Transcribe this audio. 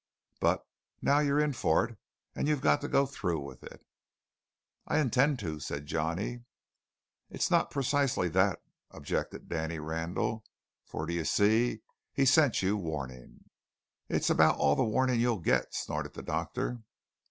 But now you're in for it, and you've got to go through with it." "I intend to," said Johnny. "It's not precisely that," objected Danny Randall, "for, d'ye see, he's sent you warning." "It's about all the warning you'll get!" snorted the doctor.